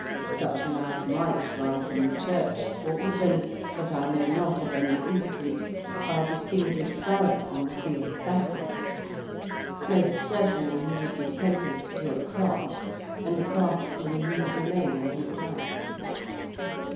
Such a lad might rise in the church, or even, but I know not of any instance, by distinguished valour on the field of battle. Most certainly, he would be prenticed to a craft and a craftsman he would remain all his life.